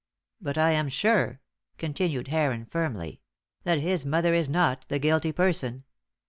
But I am sure," continued Heron, firmly, "that his mother is not the guilty person.